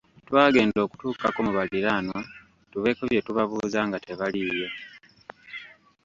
Twagenda okutuukako mu baliraanwa tubeeko bye tubabuuza nga tebaliiwo.